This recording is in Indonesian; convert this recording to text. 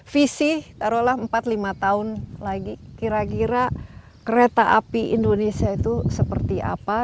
visi taruhlah empat lima tahun lagi kira kira kereta api indonesia itu seperti apa